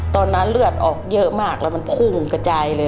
ตอนนั้นเลือดออกเยอะมากมันพรุงกับใจเลย